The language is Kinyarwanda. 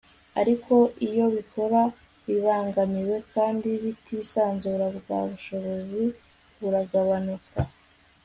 ariko iyo bikora bibangamiwe kandi bitisanzuye bwa bushobozi buragabanuka